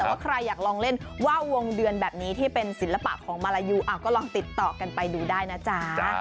แต่ว่าใครอยากลองเล่นว่าวงเดือนแบบนี้ที่เป็นศิลปะของมาลายูก็ลองติดต่อกันไปดูได้นะจ๊ะ